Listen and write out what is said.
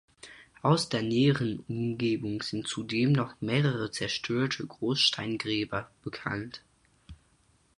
Aus der näheren Umgebung sind zudem noch mehrere zerstörte Großsteingräber bekannt.